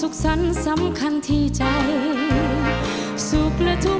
เกิดเป็นใครแล้วใจต้องสู้